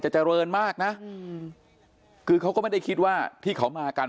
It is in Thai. เจริญมากนะอืมคือเขาก็ไม่ได้คิดว่าที่เขามากัน